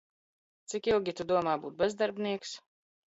Cik ilgi Tu domā būt bezdarbnieks?